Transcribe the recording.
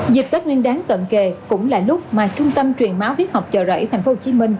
dịp tết nguyên đáng tận kề cũng là lúc mà trung tâm truyền máu tiết học chợ rẫy tp hcm